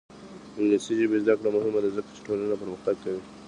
د انګلیسي ژبې زده کړه مهمه ده ځکه چې ټولنه پرمختګ کوي.